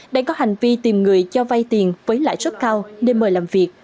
đang có hành vi tìm người cho vay tiền với lãi suất cao nên mời làm việc